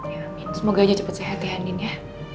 ya amin semoga aja cepet sehat ya andin ya